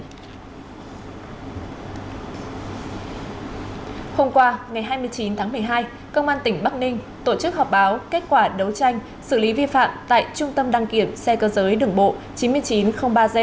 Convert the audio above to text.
hôm qua ngày hai mươi chín tháng một mươi hai công an tỉnh bắc ninh tổ chức họp báo kết quả đấu tranh xử lý vi phạm tại trung tâm đăng kiểm xe cơ giới đường bộ chín nghìn chín trăm linh ba g